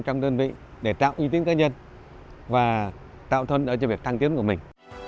trong đơn vị để tạo uy tín cá nhân và tạo thân ở cho việc tăng tiến của mình